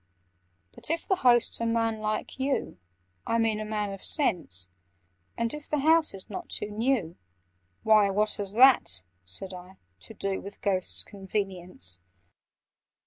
"But if the host's a man like you— I mean a man of sense; And if the house is not too new—" "Why, what has that," said I, "to do With Ghost's convenience?"